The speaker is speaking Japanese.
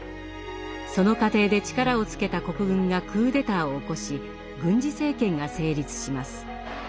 その過程で力をつけた国軍がクーデターを起こし軍事政権が成立します。